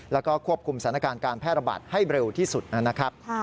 แล้วก็ควบคุมสถานการณ์การแพร่ระบาดให้เร็วที่สุดนะครับ